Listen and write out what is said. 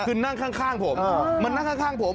คือนั่งข้างผมมันนั่งข้างผม